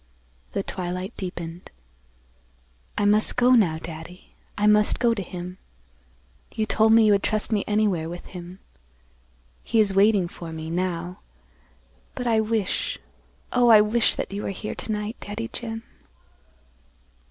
The twilight deepened, "I must go now, Daddy; I must go to him. You told me you would trust me anywhere with him. He is waiting for me, now; but I wish—oh, I wish that you were here to night, Daddy Jim!"